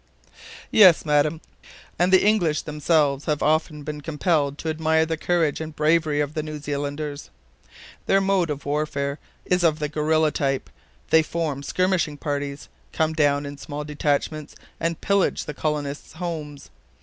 "Yes, Madam, and the English themselves have often been compelled to admire the courage and bravery of the New Zealanders. Their mode of warfare is of the guerilla type; they form skirmishing parties, come down in small detachments, and pillage the colonists' homes.